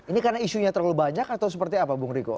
ini karena isunya terlalu banyak atau seperti apa bung riko